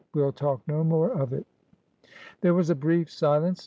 We'll talk no more of it." There was a brief silence.